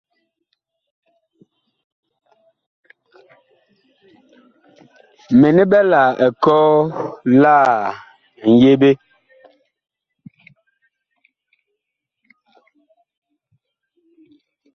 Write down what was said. Mini ɓɛ la ekɔɔ la ŋyeɓe.